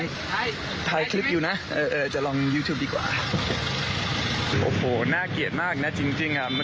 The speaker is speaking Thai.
โอเคนะขอบคุณที่พูดแบบนี้นะ